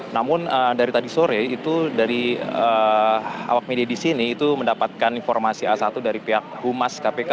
namun dari tadi sore itu dari awak media di sini itu mendapatkan informasi a satu dari pihak humas kpk